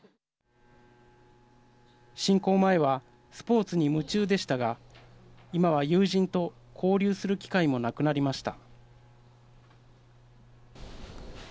侵攻前はスポーツに夢中でしたが今は友人と交流する機会もなくなりました。